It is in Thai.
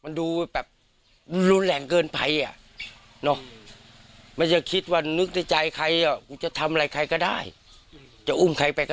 แต่รักฎรัพย์สือลวงพ่อมาก